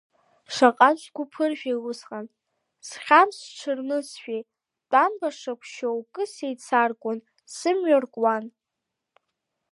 Шаҟантә сгәы ԥыржәеи усҟан, схьамҵ сҽырнысшәеи, тәамбашақә шьоукы сеицаркуан, сымҩа ркуан…